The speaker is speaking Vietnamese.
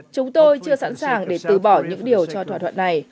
chúng tôi chưa sẵn sàng để từ bỏ những điều cho thỏa thuận này